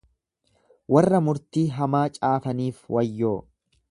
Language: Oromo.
Warra murtii hamaa caafaniif wayyoo!